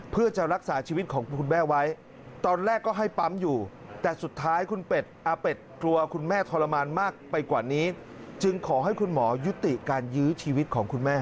เพื่อจะรักษาชีวิตของคุณแม่ไว้ตอนแรกก็ให้ปั๊มอยู่แต่สุดท้ายคุณอาเป็ดกลัวคุณแม่ทรมานมากไปกว่านี้จึงขอให้คุณหมอยุติการยื้อชีวิตของคุณแม่